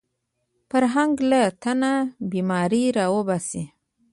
فرهنګ له تنه بیماري راوباسي